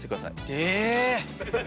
え！